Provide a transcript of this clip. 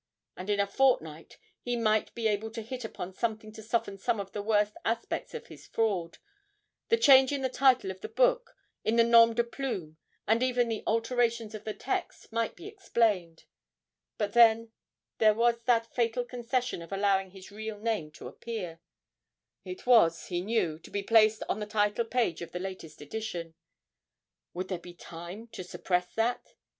And in a fortnight he might be able to hit upon something to soften some of the worst aspects of his fraud; the change in the title of the book, in the nom de plume, and even the alterations of the text might be explained; but then there was that fatal concession of allowing his real name to appear: it was, he knew, to be placed on the title page of the latest edition would there be time to suppress that?